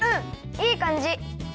いいかんじ！